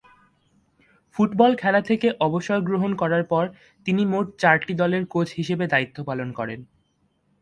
Football খেলা থেকে অবসর গ্রহণ করার পর তিনি মোট চারটি দলের কোচ হিসেবে দায়িত্ব পালন করেন।